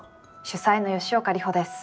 主宰の吉岡里帆です。